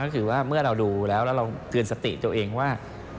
ก็คือว่าเมื่อเราดูแล้วแล้วเราเตือนสติตัวเองว่า